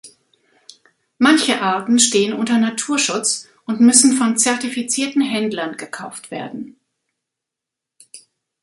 Manche Arten stehen unter Naturschutz und müssen von zertifizierten Händlern gekauft werden.